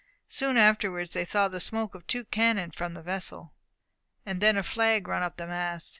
Soon afterwards they saw the smoke of two cannon from the vessel, and then a flag run up the mast.